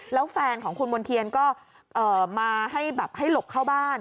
แล้วแฟนของคุณมณ์เทียนก็มาให้แบบให้หลบเข้าบ้าน